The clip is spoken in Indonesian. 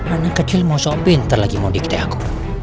anak kecil mau sok pinter lagi mau diktek aku